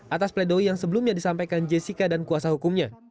atas pledoi yang sebelumnya disampaikan jessica dan kuasa hukumnya